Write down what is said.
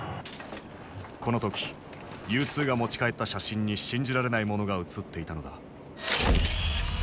この時Ｕー２が持ち帰った写真に信じられないものが写っていたのだ。